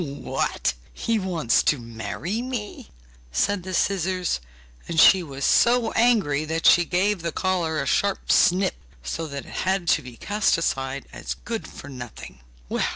'What! He wants to marry me?' said the scissors, and she was so angry that she gave the collar a sharp snip, so that it had to be cast aside as good for nothing.